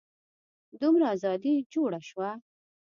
دومره ازادي جوړه شوه.